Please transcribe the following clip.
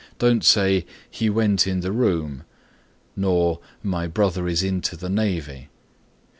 Don't say "He went in the room" nor "My brother is into the navy."